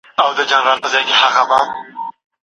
باندي دي پام کوه چي و نه لوېږې.